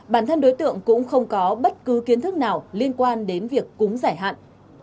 bản thân đối tượng cũng không có bất cứ kiến thức nào liên quan đến việc cúng giải hạn